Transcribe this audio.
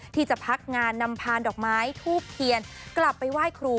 ที่จะพักงานนำพานดอกไม้ทูบเทียนกลับไปไหว้ครู